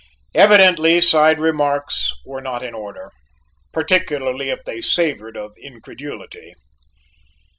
Evidently side remarks were not in order, particularly if they savored of incredulity.